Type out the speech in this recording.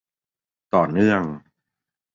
ต่อเนื่อง